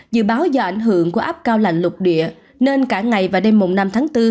dự báo do ảnh hưởng của áp cao lạnh lục địa nên cả ngày và đêm năm tháng bốn